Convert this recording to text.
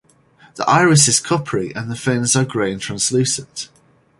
The iris is coppery and the fins are grey and translucent.